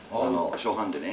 初版でね。